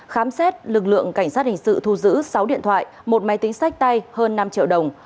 khám xét lực lượng cảnh sát hình sự thu giữ sáu điện thoại một máy tính sách tay hơn năm triệu đồng